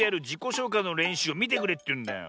しょうかいのれんしゅうをみてくれっていうんだよ。